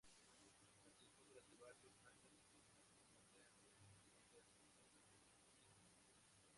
Participó durante varios años en la ceremonia de entrega de los premios Ig Nobel.